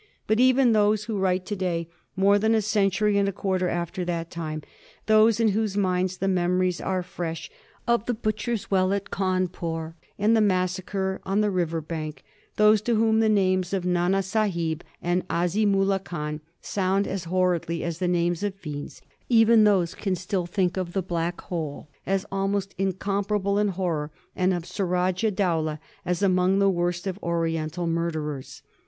But even tbose wbo write to day, more tban a century and a quarter after that time; those in whose minds the mem ories are fresh of the butcher's well at Gawnpore and the massacre on the river bank; those to whom tbe names of Nana Sahib and Azimoolah Khan sound as horridly as the names of fiends — even those can still think of the Black bole as almost incomparable in horror, and of Sarajab Dowlab as among the worst of Oriental murderers.